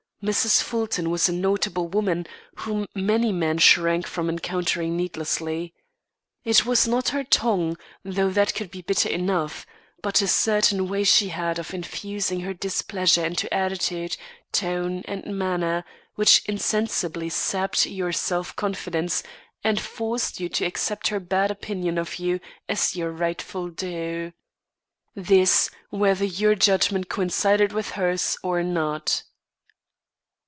Mrs. Fulton was a notable woman, whom many men shrank from encountering needlessly. It was not her tongue, though that could be bitter enough, but a certain way she had of infusing her displeasure into attitude, tone, and manner, which insensibly sapped your self confidence and forced you to accept her bad opinion of you as your rightful due. This, whether your judgment coincided with hers or not.